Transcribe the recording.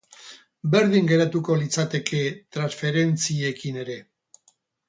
Berdin gertatuko litzateke transferentziekin ere.